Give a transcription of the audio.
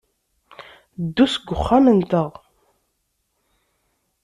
Ddu seg uxxam-nteɣ.